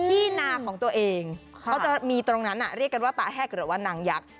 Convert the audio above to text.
ที่นาของตัวเองเขาจะมีตรงนั้นเรียกกันว่าตาแหกหรือว่านางยักษ์